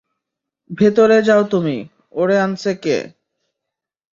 ভেতরে যাও তুমি, - ওরে আনছে কে?